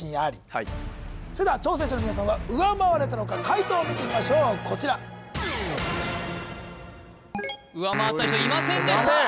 はいそれでは挑戦者の皆さんは上回れたのか解答を見てみましょうこちら上回った人いませんでした・ダメ？